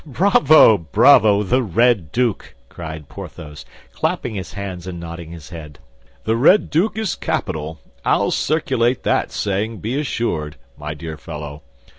Bravo! Bravo! The Red Duke!" cried Porthos, clapping his hands and nodding his head. "The Red Duke is capital. I'll circulate that saying, be assured, my dear fellow.